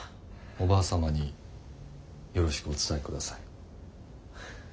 おばあ様によろしくお伝えください。